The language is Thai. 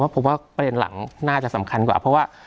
ผมว่าประเด็นหลังน่าจะสำคัญกว่าเพราะว่า